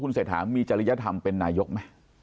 คุณเสทามีจริยธรรมเป็นนายกไหม